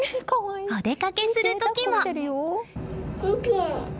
お出かけする時も。